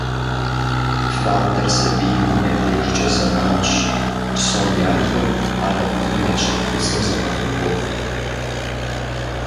Фадэр сабийхэм я дежкӀэ зэранщ, псом япэу ар абыхэм я щхьэ куцӀым зэран хуохъу.